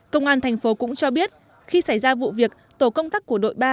công an thành phố cũng cho biết khi xảy ra vụ việc tổ công tác của đội ba